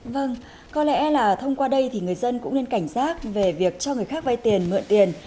vâng có lẽ là thông qua đây thì người dân cũng nên cảnh giác về việc cho người khác vay tiền mượn tiền